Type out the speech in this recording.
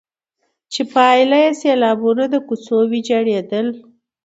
چي پايله يې سيلابونه، د کوڅو ويجاړېدل،